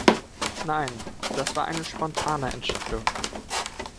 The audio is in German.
Nein, das war eine spontane Entscheidung.